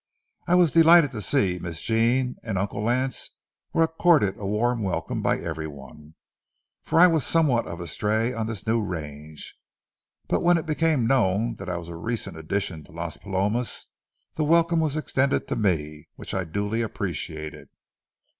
I was delighted to see that Miss Jean and Uncle Lance were accorded a warm welcome by every one, for I was somewhat of a stray on this new range. But when it became known that I was a recent addition to Las Palomas, the welcome was extended to me, which I duly appreciated.